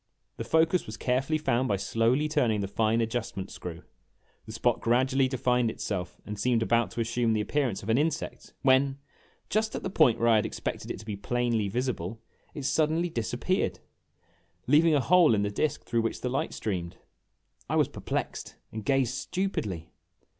The focus was carefully found by slowly turning the fine adjustment screw. The spot gradu ally defined itself and seemed about to assume the appearance of an insect when, just at the point where I had expected it to be plainly visible, it suddenly disappeared, leaving a hole in the disk through which the light streamed ! I was perplexed, and gazed stupidly.